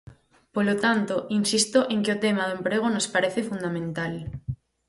Polo tanto, insisto en que o tema do emprego nos parece fundamental.